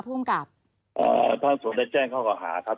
ภูมิกับภาคส่วนได้แจ้งข้อเก่าหาครับ